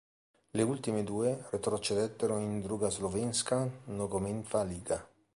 Le ultime due retrocedettero in Druga slovenska nogometna liga.